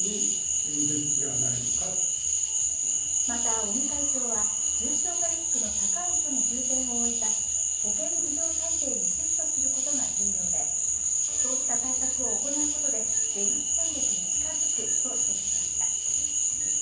また、尾身会長は重症化リスクの高い人に重点を置いた保健医療体制にシフトすることが重要で、そうした対策を行うことで出口戦略に近づくと指摘しました。